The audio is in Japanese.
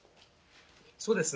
そうですね。